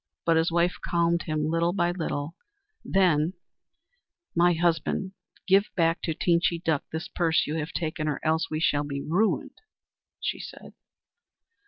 But his wife calmed him little by little, then: "My husband, give back to Teenchy Duck this purse you have taken, or else we shall be ruined," she said.